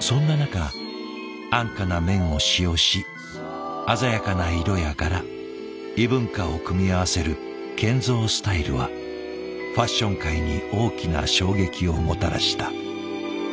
そんな中安価な綿を使用し鮮やかな色や柄異文化を組み合わせるケンゾースタイルはファッション界に大きな衝撃をもたらした。